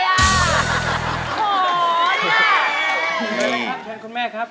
ครับแฟนคุณแม่ครับ